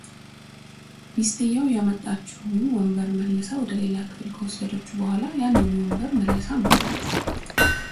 ሚስትየውም ያመጣችውን ወንበር መልሳ ወደሌላ ክፍል ከወሰደችው በኋላ ያንኑ ወንበር መልሳ አመጣችው፡፡